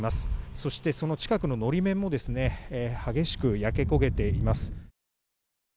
そしてその近くののり面も、激しく焼け焦げています。